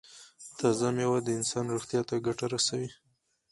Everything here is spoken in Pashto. تازه میوه د انسان روغتیا ته ګټه رسوي.